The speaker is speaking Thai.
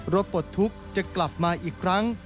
ปลดทุกข์จะกลับมาอีกครั้ง